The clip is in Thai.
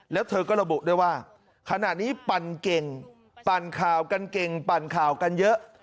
แล้วเธอก็ระบุด้วยว่าขณะนี้ปั่นเก่งปั่นข่าวกันเก่งปั่นข่าวกันเยอะ